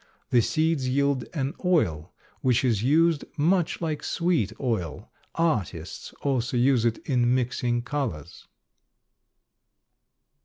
The seeds yield an oil which is used much like sweet oil; artists also use it in mixing colors.